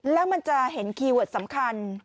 แล้วมันจะเห็นคีย์เวิร์ดสำคัญ